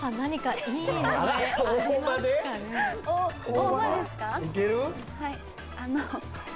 大葉ですか？